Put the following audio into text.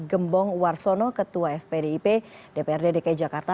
gembong warsono ketua fpdip dprd dki jakarta